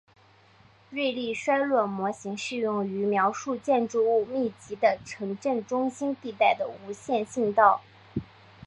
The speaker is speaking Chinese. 瑞利衰落模型适用于描述建筑物密集的城镇中心地带的无线信道。